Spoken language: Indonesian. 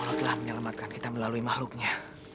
allah telah menyelamatkan kita melalui makhluknya